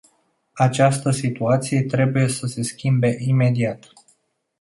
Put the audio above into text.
Această situație trebuie să se schimbe imediat.